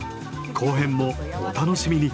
後編もお楽しみに。